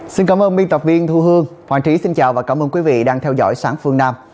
xin cảm ơn biên tập viên thu hương hoàng trí xin chào và cảm ơn quý vị đang theo dõi sáng phương nam